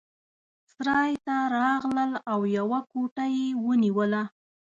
سرای ته راغلل او یوه کوټه یې ونیوله.